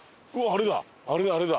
あれだあれだ！